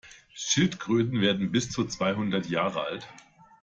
Schildkröten werden bis zu zweihundert Jahre alt.